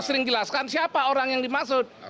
sering jelaskan siapa orang yang dimaksud